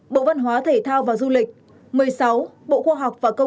một mươi năm bộ văn hóa thể thao và du lịch